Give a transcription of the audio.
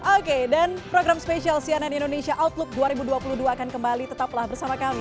oke dan program spesial cnn indonesia outlook dua ribu dua puluh dua akan kembali tetaplah bersama kami